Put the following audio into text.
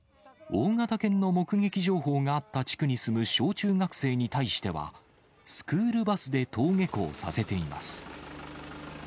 大型犬の目撃情報があった地区に住む小中学生に対しては、スクールバスで登下校させています。